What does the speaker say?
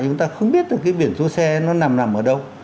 chúng ta không biết được cái biển số xe nó nằm nằm ở đâu